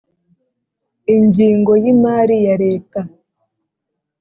Ingingo y’imari ya Leta.